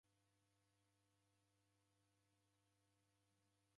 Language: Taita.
Mwanedu waweshona nguwo